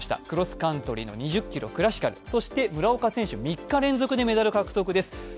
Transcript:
クロスカントリー２０ｋｍクラシカル、そして村岡選手、３日連続でメダル獲得です。